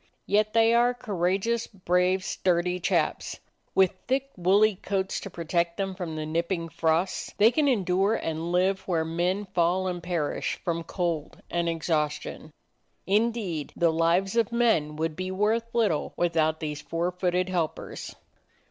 Yet they are courage ous, brave, sturdy chaps. With thick, woolly coats to protect them from the nipping frosts, they can endure and live where men fall and perish from cold and exhaustion. Indeed the lives of men would be worth little without these four footed helpers.